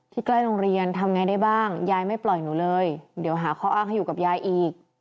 ใกล้โรงเรียนทำไงได้บ้างยายไม่ปล่อยหนูเลยเดี๋ยวหาข้ออ้างให้อยู่กับยายอีก